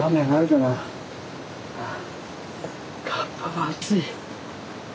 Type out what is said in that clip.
かっぱが暑い！